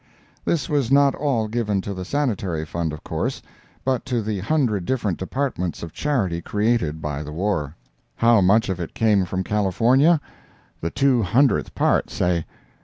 This was not all given to the Sanitary Fund, of course, but to the hundred different departments of charity created by the war. How much of it came from California? The two hundredth part, say.